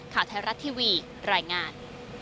ข่าวไทยรัฐทีวีรายงาน